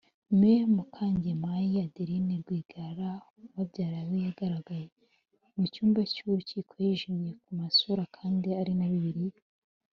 Mme Mukangemanyi Adeline Rwigara ubabyara we yagaragaye mu cyumba cy’urukiko yijimye ku masura kandi ari na Bibiliya